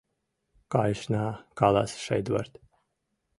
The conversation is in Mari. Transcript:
Кайышна, — каласыш Эдвард.